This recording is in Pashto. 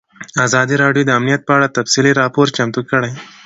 ازادي راډیو د امنیت په اړه تفصیلي راپور چمتو کړی.